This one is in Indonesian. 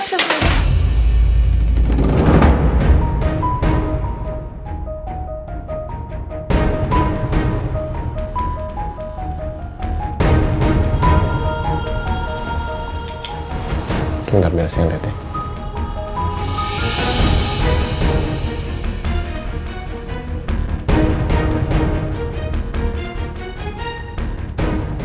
aku tak biasa yang lihatnya